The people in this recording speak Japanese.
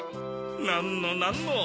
なんのなんの。